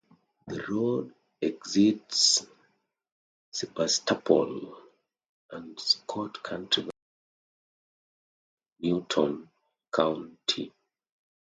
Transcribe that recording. The road exits Sebastopol and Scott County by crossing into Newton County.